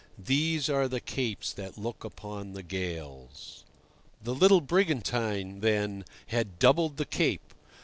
These are the capes that look upon the gales. The little brigantine, then, had doubled the Cape.